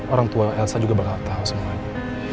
orang tua elsa juga bakal tahu semuanya